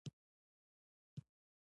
د ایران بې عقل سفیر په ګاډۍ کې سپور شو.